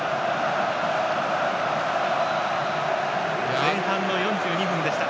前半の４２分でした。